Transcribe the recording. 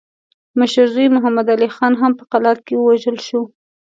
مشر زوی محمد علي خان هم په قلات کې ووژل شو.